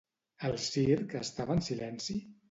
El circ estava en silenci?